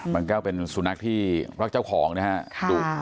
มันก็เป็นสุนัขที่รักเจ้าของนะครับ